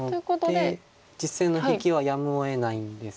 なので実戦の引きはやむをえないんですが。